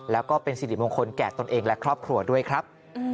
แล้วก็เป็นสิริมงคลแก่ตนเองและครอบครัวด้วยครับ